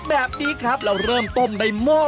แบบนี้ครับแล้วเริ่มต้มในโม่